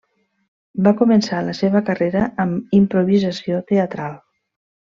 Va començar la seva carrera amb Improvisació teatral.